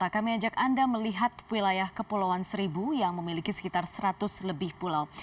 kami ajak anda melihat wilayah kepulauan seribu yang memiliki sekitar seratus lebih pulau